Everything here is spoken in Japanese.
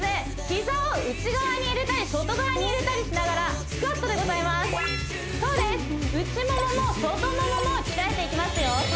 膝を内側に入れたり外側に入れたりしながらスクワットでございますそうです内モモも外モモも鍛えていきますよ